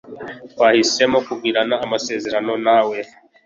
Twahisemo kugirana amasezerano na we.